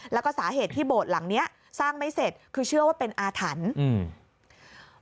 แล้วก็สาเหตุที่โบสถ์หลังเนี้ยสร้างไม่เสร็จคือเชื่อว่าเป็นอาถรรพ์อืม